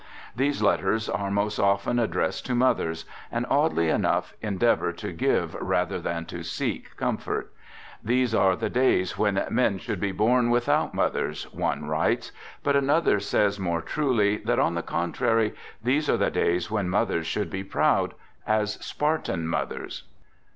These letters are most often addressed to mothers, and, oddly enough, endeavor to give rather than to seek comfort. " These are Digitized by x INTRODUCTION the days when men should be born without moth ers," one writes; but another says more truly that, on the contrary, these are the days when mothers should be proud, as Spartan mothers.